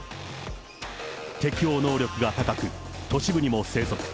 適応能力が高く、都市部にも生息。